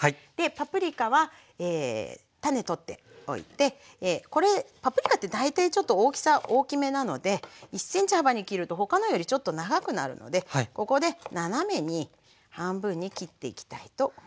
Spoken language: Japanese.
パプリカは種取っておいてこれパプリカって大体ちょっと大きさ大きめなので１ｃｍ幅に切ると他のよりちょっと長くなるのでここで斜めに半分に切っていきたいと思います。